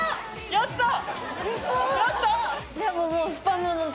やったー。